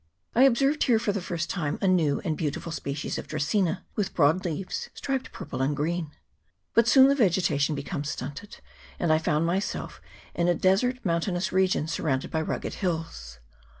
I observed here for the first time a new and beautiful species of Dracaena, with broad leaves, striped purple and green. But soon the vegetation becomes stunted, and I found myself in a desert mountainous region, surrounded by rugged hills.